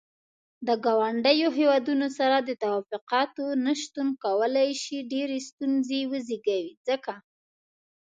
د ګاونډيو هيوادونو سره د تووافقاتو نه شتون کولاي شي ډيرې ستونزې وزيږوي ځکه.